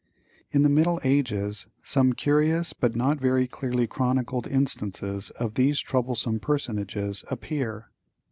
In the middle ages some curious but not very clearly chronicled instances of these troublesome personages appear.